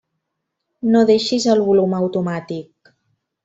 No deixis el volum automàtic.